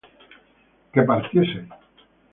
que partieseis